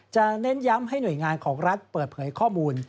เน้นย้ำให้หน่วยงานของรัฐเปิดเผยข้อมูล